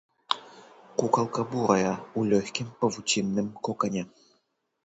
Кукалка бурая, у лёгкім павуцінным кокане.